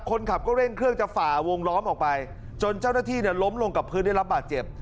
คนขับก็เร่งเครื่องจะฝ่าวงล้อมออกไปจนเจ้าหน้าที่ล้มลงกับพื้นได้รับบาดเจ็บ